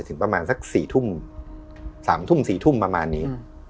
ถึงประมาณสักสี่ทุ่มสามทุ่มสี่ทุ่มประมาณนี้